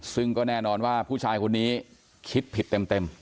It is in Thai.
ซึ่งก็แน่นอนว่าผู้ชายคนนี้คิดผิดเต็ม